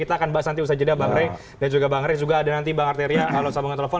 kita akan bahas nanti usaha jeda bang rey dan juga bang rey juga ada nanti bang arteria kalau sambungan telepon